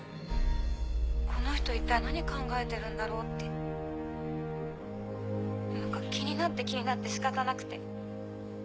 この人一体何考えてるんだろうって何か気になって気になって仕方なくて。